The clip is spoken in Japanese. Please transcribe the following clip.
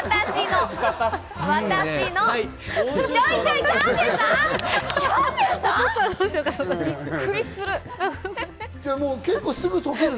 びっくりする。